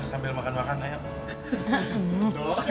sambil makan makan aja